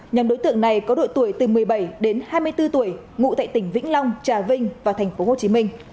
nhóm đối tượng này có đội tuổi từ một mươi bảy đến hai mươi bốn tuổi ngụ tại tỉnh vĩnh long trà vinh và thành phố hồ chí minh